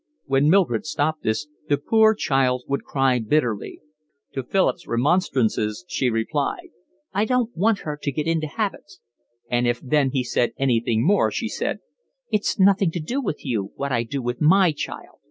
When Mildred stopped this the poor child would cry bitterly. To Philip's remonstrances she replied: "I don't want her to get into habits." And if then he said anything more she said: "It's nothing to do with you what I do with my child.